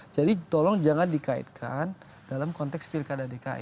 jadi tolong jangan dikaitkan dalam konteks pilkada dki